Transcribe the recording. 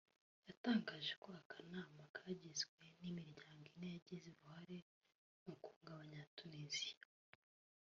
yatangaje ko aka kanama kagizwe n’imiryango ine yagize uruhare mu kunga Abanyatuniziya